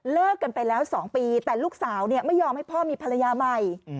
กันไปแล้ว๒ปีแต่ลูกสาวไม่ยอมให้พ่อมีภรรยาใหม่